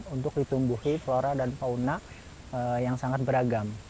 untuk ditumbuhi flora dan fauna yang sangat beragam